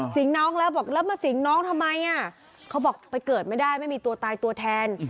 น้องแล้วบอกแล้วมาสิงน้องทำไมอ่ะเขาบอกไปเกิดไม่ได้ไม่มีตัวตายตัวแทน